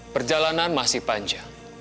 perjalanan masih panjang